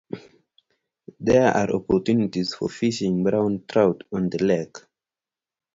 There are opportunities for fishing brown trout on the lake.